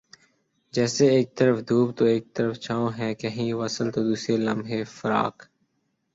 جیسے ایک طرف دھوپ تو ایک طرف چھاؤں ہے کہیں وصل تو دوسرے لمحےفراق